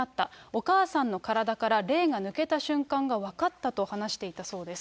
お母さんの体から霊が抜けた瞬間が分かったと話していたそうです。